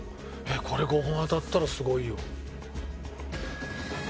これ５本当たったらすごいよ。